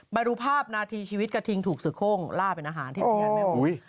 มาดูภาพนาทีชีวิตกระทิงถูกเสือโค้งล่าเป็นอาหารที่เพี้ยนไหม